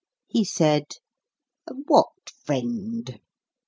He said, "What friend?"